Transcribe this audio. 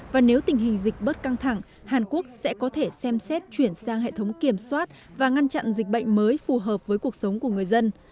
và nếu tình hình dịch bớt căng thẳng hàn quốc sẽ có thể xem xét chuyển sang hệ thống kiểm soát và ngăn chặn dịch bệnh mới phù hợp với cuộc sống của người dân